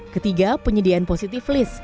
ketiga penyediaan positif list